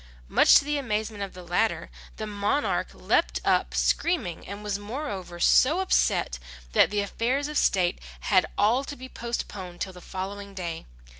Much to the amazement of the latter, the monarch leapt up screaming, and was moreover so upset, that the affairs of state had all to be postponed till the following day.